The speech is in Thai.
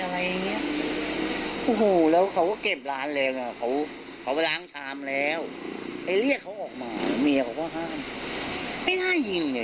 เมื่อนบ้างก็ยืนยันว่ามันเป็นแบบนั้นจริง